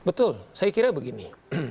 betul saya kira begini